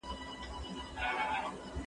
زه له سهاره مېوې وچوم.